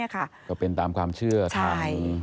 พบหน้าลูกแบบเป็นร่างไร้วิญญาณ